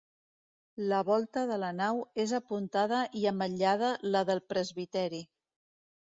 La volta de la nau és apuntada i ametllada la del presbiteri.